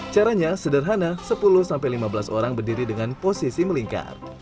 caranya sederhana sepuluh lima belas orang berdiri dengan posisi melingkar